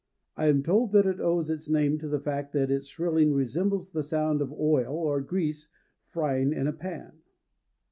I am told that it owes its name to the fact that its shrilling resembles the sound of oil or grease frying in a pan.